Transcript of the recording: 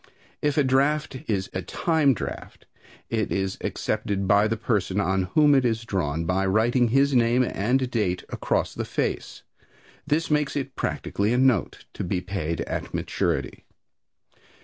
If a draft is a time draft it is accepted by the person on whom it is drawn by writing his name and date across the face. This makes it practically a note, to be paid at maturity.